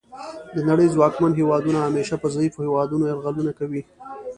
د نړۍ ځواکمن هیوادونه همیشه په ضعیفو هیوادونو یرغلونه کوي